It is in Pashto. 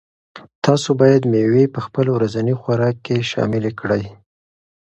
تاسو باید مېوې په خپل ورځني خوراک کې شاملې کړئ.